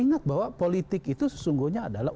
ingat bahwa politik itu sesungguhnya adalah